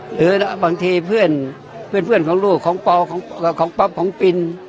หรือบางทีเพื่อนของลูกของปอของป๊อปของปิน